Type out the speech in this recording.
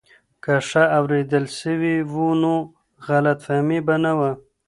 که ښه اورېدل سوي و نو غلط فهمي به نه وه.